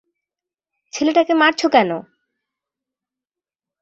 ছেলেটাকে মারছ কেন?